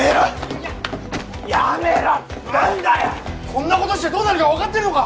こんなことしてどうなるかわかってるのか？